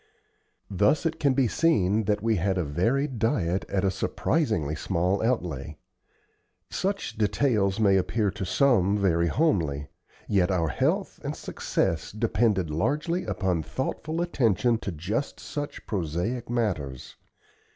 Thus it can be seen that we had a varied diet at a surprisingly small outlay. Such details may appear to some very homely, yet our health and success depended largely upon thoughtful attention to just such prosaic matters.